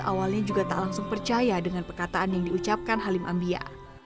awalnya juga tak langsung percaya dengan perkataan yang diucapkan halim ambia